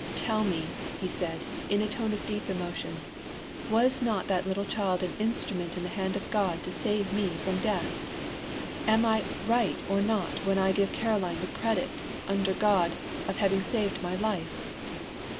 Tell me," said he, in a tone of deep emotion; "was not that little child an instrument in the hand of God to save me from death? Am I right or not when I give Caroline the credit, under God, of having saved my life?